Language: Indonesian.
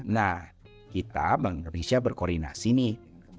nah kita bank indonesia berkoordinasi nih